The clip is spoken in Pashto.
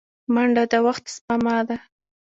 منډه د وخت سپما ده